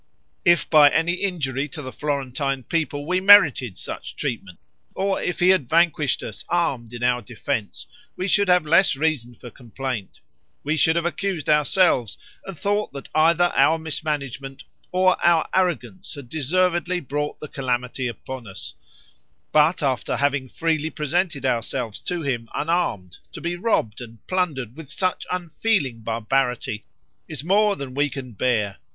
If by any injury to the Florentine people we merited such treatment, or if he had vanquished us armed in our defense, we should have less reason for complaint; we should have accused ourselves, and thought that either our mismanagement or our arrogance had deservedly brought the calamity upon us; but after having freely presented ourselves to him unarmed, to be robbed and plundered with such unfeeling barbarity, is more than we can bear.